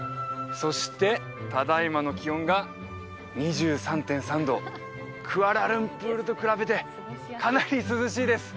そしてただ今の気温が２３．３度クアラルンプールと比べてかなり涼しいです